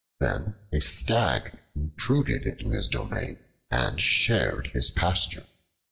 Then a Stag intruded into his domain and shared his pasture.